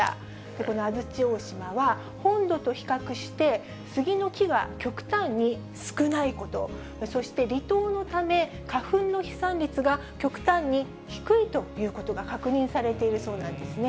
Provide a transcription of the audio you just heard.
この的山大島は、本土と比較して、スギの木が極端に少ないこと、そして、離島のため、花粉の飛散率が極端に低いということが確認されているそうなんですね。